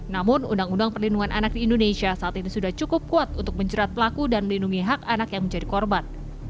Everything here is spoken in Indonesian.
namun undang undang perlindungan anak di indonesia saat ini sudah cukup kuat untuk menjerat pelaku dan melindungi hak anak yang menjadi korban